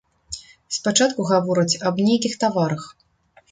Спачатку гавораць аб нейкіх таварах.